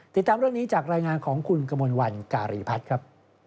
ติดตามเรื่องนี้จากรายงานของคุณกมลวันการีพัฒน์ครับ